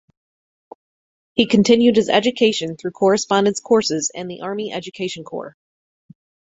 He continued his education through correspondence courses and the Army Education Corps.